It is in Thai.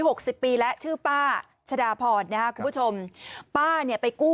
หกสิบปีแล้วชื่อป้าชดาพรนะฮะคุณผู้ชมป้าเนี่ยไปกู้